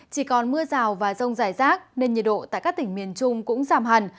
chỉ còn mưa rào và rông rải rác nên nhiệt độ tại các tỉnh miền trung cũng giảm hẳn